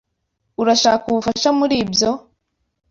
Urashaka ubufasha muri ibyo?